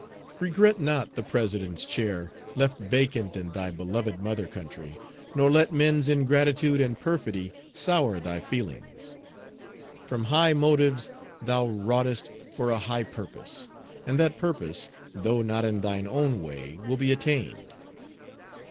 Regret not the president's chair, left vacant in thy beloved mother country, nor let men's ingratitude and perfidy sour thy feelings. From high motives thou wroughtest for a high purpose; and that purpose, though not in thine own way, will be attained.